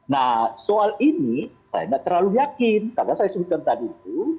nah soal ini saya nggak terlalu yakin karena saya sebutkan tadi itu